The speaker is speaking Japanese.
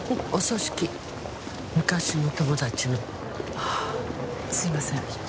あっすいません。